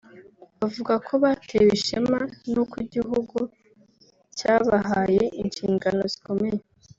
bavuga ko batewe ishema n’uko igihugu cyabahaye inshingano zikomeye